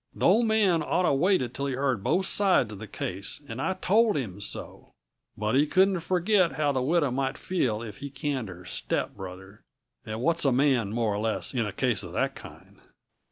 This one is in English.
The Old Man oughta waited till he heard both sides uh the case, and I told him so. But he couldn't forget how the widow might feel if he canned her stepbrother and what's a man, more or less, in a case uh that kind?"